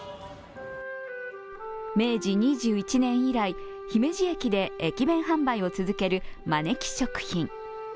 明治２１年以来、姫路駅で駅弁販売を続けるまねき食品。